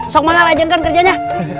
sok mangal ajengkan kerjanya